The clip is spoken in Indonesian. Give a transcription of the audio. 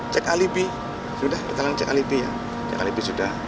cek alibi sudah kita cek alibi